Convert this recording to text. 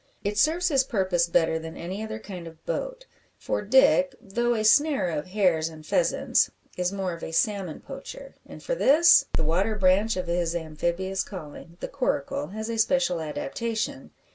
It serves his purpose better than any other kind of boat, for Dick, though a snarer of hares and pheasants, is more of a salmon poacher, and for this the water branch of his amphibious calling the coracle has a special adaptation.